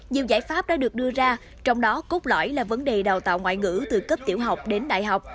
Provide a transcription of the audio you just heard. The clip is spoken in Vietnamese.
nhiều giải pháp đã được đưa ra trong đó cốt lõi là vấn đề đào tạo ngoại ngữ từ cấp tiểu học đến đại học